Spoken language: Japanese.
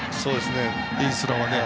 インスラはね。